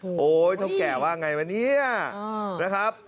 โอ้โหเท่าแก่ว่าไงวะเนี่ยนะครับ